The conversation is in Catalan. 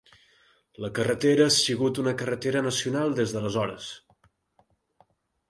La carretera ha sigut una carretera nacional des d'aleshores.